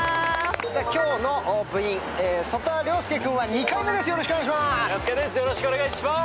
今日のオープニング、曽田陵介君は２回目です。